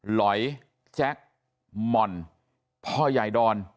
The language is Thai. หลอยแจ็คหม่อนพ่อใหญ่ดอน